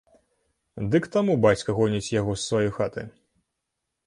Ды к таму бацька гоніць яго з сваёй хаты.